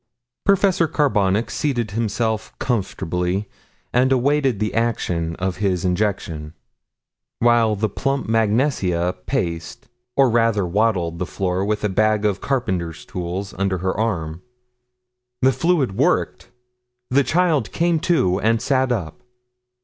Professor Carbonic seated himself comfortably and awaited the action of his injection, while the plump Mag Nesia paced or rather waddled the floor with a bag of carpenter's tools under her arm. The fluid worked. The child came to and sat up.